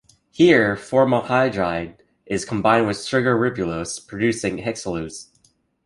Here formaldehyde is combined with sugar ribulose, producing hexulose.